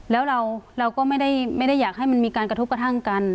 แล้วเราก็ไม่ได้อยากให้มันมีการกระทบกระทั่งกัน